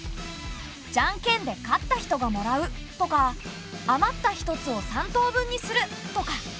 じゃんけんで勝った人がもらうとか余った１つを３等分にするとか。